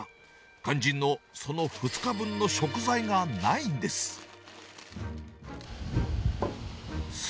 肝心のその２日分の食材がないんです。